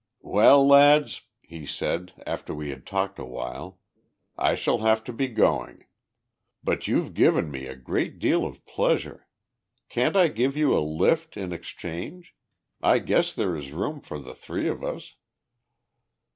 "Well, lads," he said, after we had talked awhile, "I shall have to be going. But you've given me a great deal of pleasure. Can't I give you a lift in exchange? I guess there is room for the three of us."